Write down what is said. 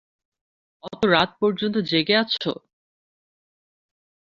ওতো রাত পর্যন্ত জেগে আছো?